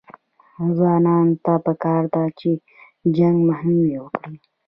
ځوانانو ته پکار ده چې، جنګ مخنیوی وکړي